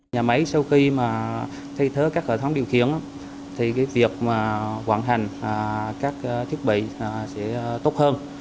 nhà máy sau khi mà thay thế các hệ thống điều khiển thì việc vận hành các thiết bị sẽ tốt hơn